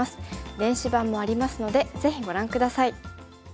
電子版もありますのでぜひご覧下さい。